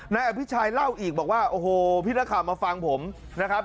นายอภิชัยเล่าอีกบอกว่าโอ้โหพี่นักข่าวมาฟังผมนะครับ